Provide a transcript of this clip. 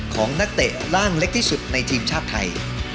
ของนักเตะร่างเล็กที่สุดในทีมชาติไทย